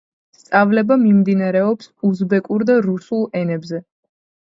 სწავლება მიმდინარეობს უზბეკურ და რუსულ ენებზე.